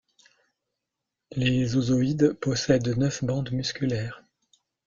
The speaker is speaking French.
Les oozoïdes possèdent neuf bandes musculaires.